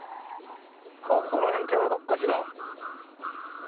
あっこの辺寺ばっかしだ。